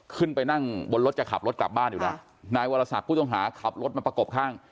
ขึ้นไปนั่งบนรถจะขับรถกลับบ้านอยู่แล้วนายวรศักดิ์ผู้ต้องหาขับรถมาประกบข้าง